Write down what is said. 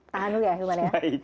tahan dulu ya ahilman ya